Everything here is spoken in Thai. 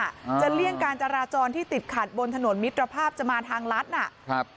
อ่าจะเลี่ยงการจราจรที่ติดขัดบนถนนมิตรภาพจะมาทางรัฐน่ะครับ